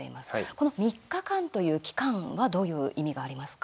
この３日間という期間はどういう意味がありますか。